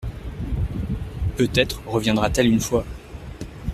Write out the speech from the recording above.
Peut-être reviendra-t-elle une fois.